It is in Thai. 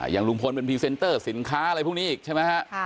อย่างลุงพลเป็นพรีเซนเตอร์สินค้าอะไรพวกนี้อีกใช่ไหมฮะ